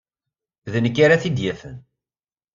D nekk ara t-id-yafen.